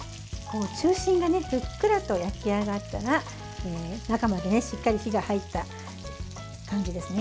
中心がふっくらと焼き上がったら中までしっかり火が入った感じです。